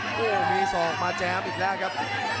โอ้โหมีศอกมาแจมอีกแล้วครับ